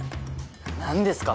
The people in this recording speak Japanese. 何ですか？